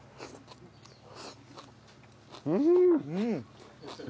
うん！